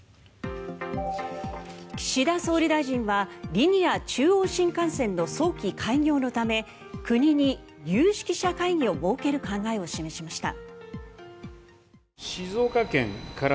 岸田総理大臣はリニア中央新幹線の早期開業のため国に有識者会議を設ける考えを示しました。